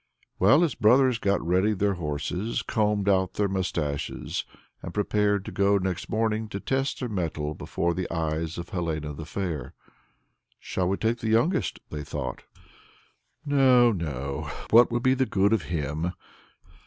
Well, his brothers got ready their horses, combed out their mustaches, and prepared to go next morning to test their mettle before the eyes of Helena the Fair. "Shall we take the youngster?" they thought. "No, no. What would be the good of him?